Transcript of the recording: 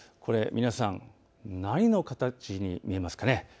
皆さん、何の形に見えますか。